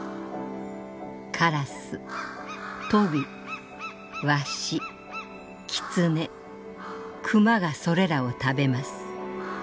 カラストビワシキツネ熊がそれらを食べます。